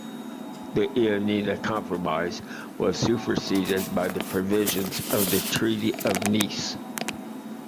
The Ioannina compromise was superseded by the provisions of the Treaty of Nice.